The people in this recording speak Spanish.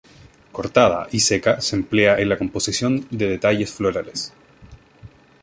Cortada y seca se emplea en la composición de detalles florales.